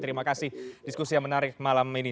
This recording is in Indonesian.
terima kasih diskusi yang menarik malam ini